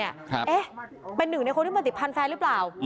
เอ๊ะเป็นหนึ่งในคนที่มาติดพันธ์แฟนหรือเปล่า